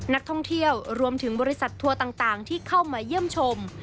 นักท่องเที่ยวรวมถึงบริษัททัวร์ต่างที่เข้ามาเยี่ยมชม